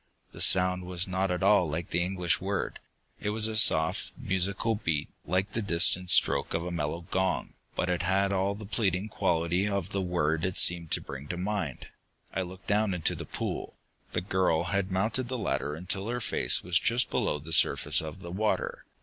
The sound was not at all like the English word. It was a soft, musical beat, like the distant stroke of a mellow gong, but it had all the pleading quality of the word it seemed to bring to mind. I looked down into the pool. The girl had mounted the ladder until her face was just below the surface of the water.